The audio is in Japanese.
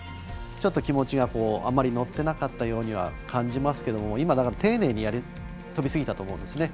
ちょっと、気持ちがあまり乗ってなかったようには感じますけど今、丁寧に飛びすぎたと思うんです。